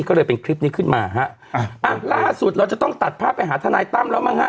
ก็เลยเป็นคลิปนี้ขึ้นมาฮะอ่าอ่ะล่าสุดเราจะต้องตัดภาพไปหาทนายตั้มแล้วมั้งฮะ